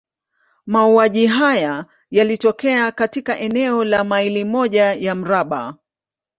Mauaji haya yalitokea katika eneo la maili moja ya mraba.